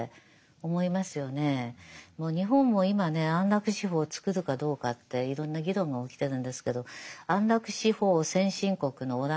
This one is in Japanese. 日本も今ね安楽死法作るかどうかっていろんな議論が起きてるんですけど安楽死法先進国のオランダでですね